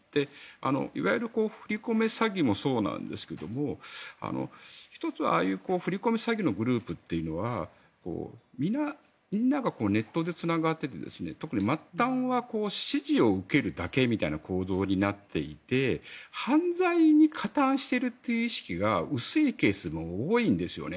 いわゆる振り込め詐欺もそうなんですけど１つは、ああいう振り込め詐欺のグループというのはみんながネットでつながってて特に末端は指示を受けるだけみたいな構造になっていて犯罪に加担しているという意識が薄いケースも多いんですよね。